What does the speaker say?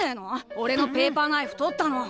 おれのペーパーナイフとったの。